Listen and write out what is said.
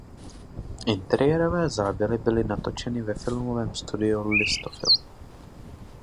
Interiérové záběry byly natočeny ve filmovém studiu Listo–Film.